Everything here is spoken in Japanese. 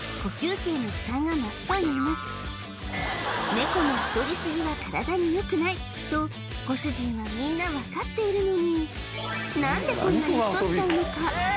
ネコの太りすぎは体によくないとご主人はみんなわかっているのに何でこんなに太っちゃうのか？